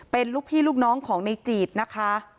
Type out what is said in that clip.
เป็นลูกพี่ลูกน้องของในจีดนะคะ